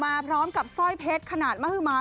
มาพร้อมกับสร้อยเพชรขนาดมหมา